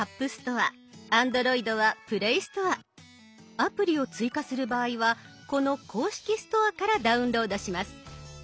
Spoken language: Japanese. アプリを追加する場合はこの公式ストアからダウンロードします。